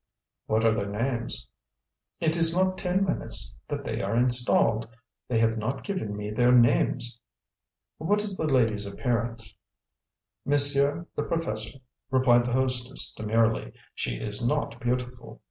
"What are their names?" "It is not ten minutes that they are installed. They have not given me their names." "What is the lady's appearance?" "Monsieur the Professor," replied the hostess demurely, "she is not beautiful."